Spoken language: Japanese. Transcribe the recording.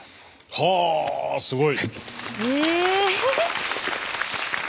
はあすごい。